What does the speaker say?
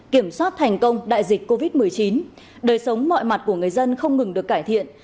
kiểm soát thành công đại dịch covid một mươi chín đời sống mọi mặt của người dân không ngừng được cải thiện